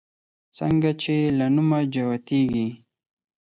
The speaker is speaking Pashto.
څنگه چې يې له نومه جوتېږي